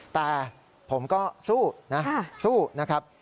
แต่ผมก็สู้นะครับ